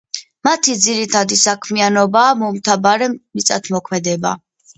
მათი ძირითადი საქმიანობაა მომთაბარე მიწათმოქმედება.